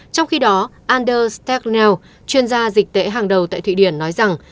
trong khi đó ander stegnell chuyên gia dịch tễ hàng đầu tại thụy điển nói rằng